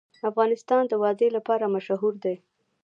افغانستان د وادي لپاره مشهور دی.